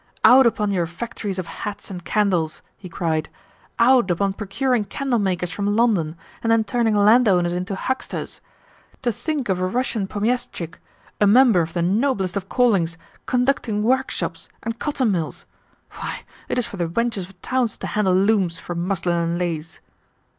"Out upon your factories of hats and candles!" he cried. "Out upon procuring candle makers from London, and then turning landowners into hucksters! To think of a Russian pomiestchik , a member of the noblest of callings, conducting workshops and cotton mills! Why, it is for the wenches of towns to handle looms for muslin and lace."